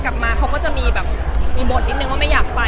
กลับมาเขาก็จะมีแบบมีบทนิดนึงว่าไม่อยากไป